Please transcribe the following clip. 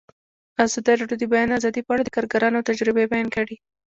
ازادي راډیو د د بیان آزادي په اړه د کارګرانو تجربې بیان کړي.